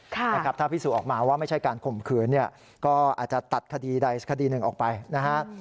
ถ้าพิสูจน์ออกมาว่าไม่ใช่การข่มขืนเนี่ยก็อาจจะตัดคดีใดคดีหนึ่งออกไปนะฮะ